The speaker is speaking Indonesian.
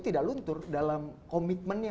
tidak luntur dalam komitmennya